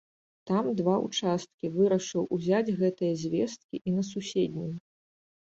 Там два ўчасткі, вырашыў узяць гэтыя звесткі і на суседнім.